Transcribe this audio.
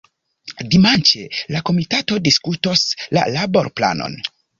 Dimanĉe la komitato diskutos la laborplanon.